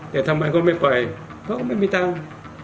แต่ทำไมเขาไม่ไปเขาก็ไม่มีตังค์